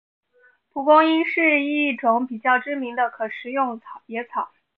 蒲公英是一种比较知名的可食用野草。